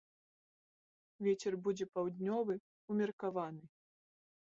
Вецер будзе паўднёвы ўмеркаваны.